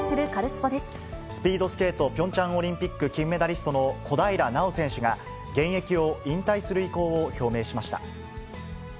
スピードスケートピョンチャンオリンピック金メダリストの小平奈緒選手が、現役を引退する意向を表明しました。